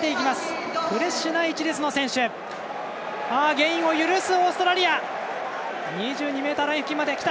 ゲインを許す、オーストラリア。